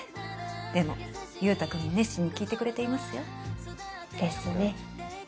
でも優太くんも熱心に聞いてくれていますよ。ですね。